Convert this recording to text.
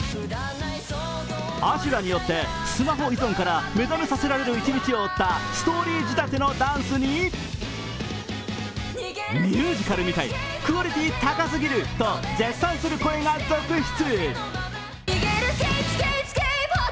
阿修羅によってスマホ依存から目覚めさせられる一日を追ったストーリー仕立てのダンスに、ミュージカルみたい、クオリティー高すぎると絶賛する声が続出。